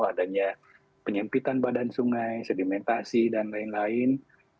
adanya penyempitan badan sungai sedimentasi dan lain lain